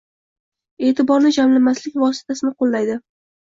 – e’tiborni jamlamaslik vositasini qo‘llaydi.